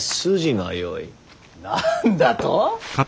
何だと。